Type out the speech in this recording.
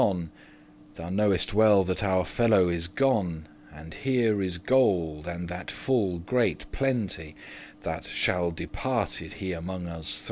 *what is for thine Thou knowest well that our fellow is gone, advantage* And here is gold, and that full great plenty, That shall departed* he among us three.